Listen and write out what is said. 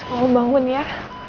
kamu bangun ya